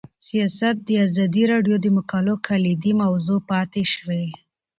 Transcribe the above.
سیاست د ازادي راډیو د مقالو کلیدي موضوع پاتې شوی.